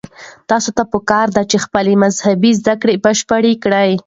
تاسو ته پکار ده چې خپلې مذهبي زده کړې بشپړې کړئ.